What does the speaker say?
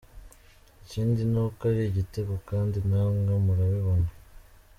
Ikindi ni uko ari igitego kandi namwe murabibona.